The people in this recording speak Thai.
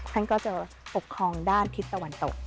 ท่านก็จะปกครองด้านทิศตะวันตก